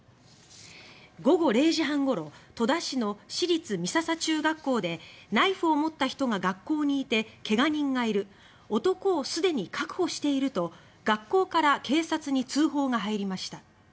午後０時半ごろ戸田市の市立美笹中学校でナイフを持った人が学校にいて怪我人がいる男をすでに確保していると学校から警察に通報が入りました。